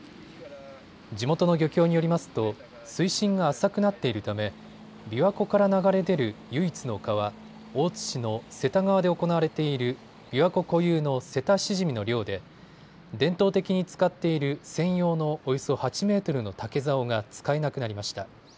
地元の漁協によりますと水深が浅くなっているためびわ湖から流れ出る唯一の川、大津市の瀬田川で行われているびわ湖固有のセタシジミの漁で伝統的に使っている専用のおよそ８メートルの竹ざおが使えなくなりました。